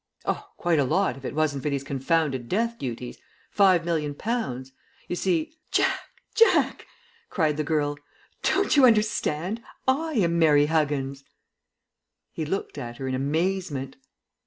"Oh, quite a lot if it wasn't for these confounded death duties. Five million pounds. You see " "Jack, Jack!" cried the girl. "Don't you understand? I am Mary Huggins." He looked at her in amazement.